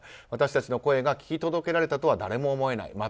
私たちの声が聞き届けられたとは誰も思えない。